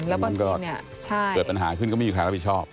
แล้วมันก็เกิดปัญหาขึ้นก็ไม่มีใครรับผิดชอบ